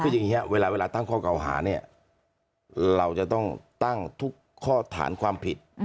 คืออย่างนี้เวลาตั้งข้อเก่าหาเนี่ยเราจะต้องตั้งทุกข้อฐานความผิด